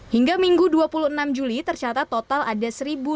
hingga minggu dua puluh enam juli tercatat total ada satu dua ratus